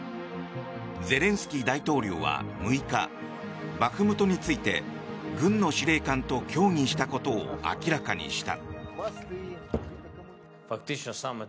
ゼレンスキー大統領は６日バフムトについて軍の司令官と協議したことを明らかにした。